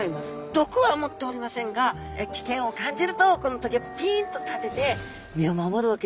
毒は持っておりませんが危険を感じるとこのトゲピンと立てて身を守るわけですね。